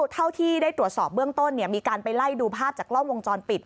เท่าที่ได้ตรวจสอบเบื้องต้นมีการไปไล่ดูภาพจากกล้องวงจรปิด